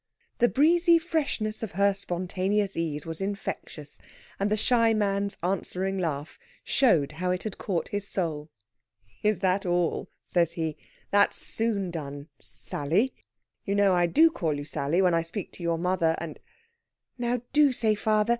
The breezy freshness of her spontaneous ease was infectious, and the shy man's answering laugh showed how it had caught his soul. "Is that all?" says he. "That's soon done Sally! You know, I do call you Sally when I speak to your mother and...." "Now, do say father.